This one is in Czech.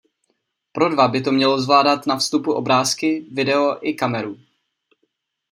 Pro dva by to mělo zvládat na vstupu obrázky, video i kameru.